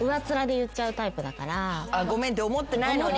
ごめんって思ってないのに？